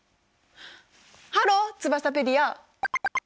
ハローツバサペディア！